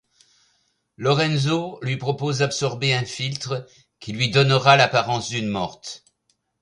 Lorenzo lui propose d'absorber un philtre qui lui donnera l'apparence d'une morte.